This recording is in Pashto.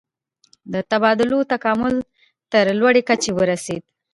د تبادلو تکامل تر لوړې کچې ورسید.